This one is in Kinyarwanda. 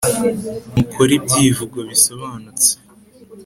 Mukore ibyivugo bisobanutse